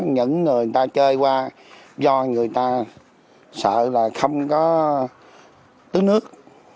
những người ta chơi qua do người ta sợ là không có tứ nước